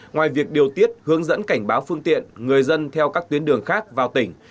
ngoài việc điều tiết hướng dẫn cảnh báo phương tiện người dân theo các tuyến đường khác vào tỉnh